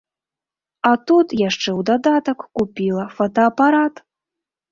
А тут, яшчэ ў дадатак, купіла фотаапарат!